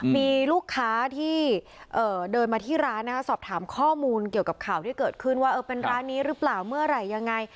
มีลูกค้าที่เดินมาที่ร้านสอบถามข้อมูลเกี่ยวกับข่าวที่เกิดขึ้นว่าเป็นร้านนี้หรือเปล่าเมื่อไหร่ยังไง